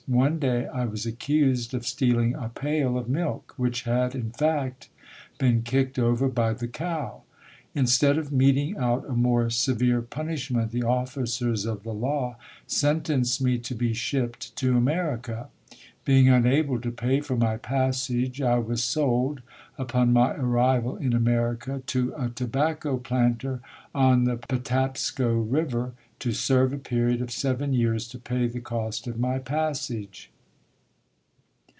One day I was accused of stealing a pail of milk which had in fact been kicked over by the cow. Instead of meting out a more severe punish ment, the officers of the law sentenced me to be shipped to America. Being unable to pay for my passage, I was sold, upon my arrival in America, to a tobacco planter on the Patapsco River to serve a period of seven years to pay the cost of my passage".